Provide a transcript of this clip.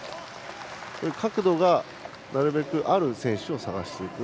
角度がなるべくある選手を探していく。